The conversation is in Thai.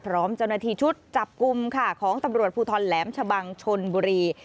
พร้อมเจ้าหน้าที่ชุดจับกลุ่มค่ะของตำรวจภูทรแหลมชะบังชนบุรี